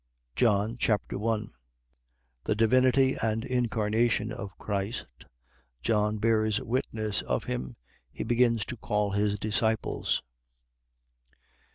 John Chapter 1 The divinity and incarnation of Christ. John bears witness of him. He begins to call his disciples.